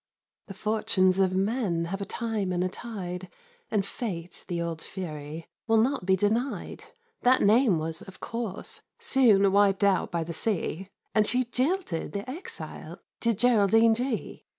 The fortunes of men have a time and a tide, And Fate, the old fury, will not be denied; That name was, of course, soon wip'd out by the sea,— And she jilted the exile, did Geraldine G—.